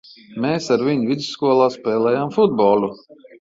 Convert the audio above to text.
Mēs ar viņu vidusskolā spēlējām futbolu.